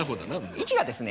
位置はですね